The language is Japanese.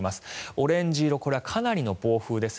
オレンジ色これはかなりの暴風です。